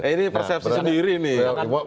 ini persepsi sendiri nih